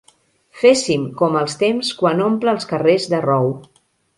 Féssim com el temps quan omple els carrers de rou.